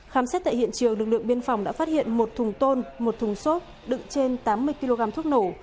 khám xét tại hiện trường lực lượng biên phòng đã phát hiện một thùng tôn một thùng xốp đựng trên tám mươi kg thuốc nổ